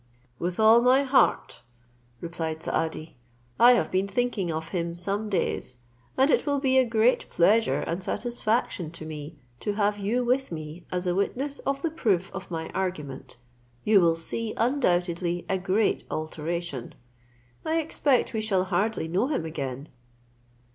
"With all my heart," replied Saadi; "I have been thinking of him some days, and it will be a great pleasure and satisfaction to me to have you with me, as a witness of the proof of my argument. You will see undoubtedly a great alteration. I expect we shall hardly know him again."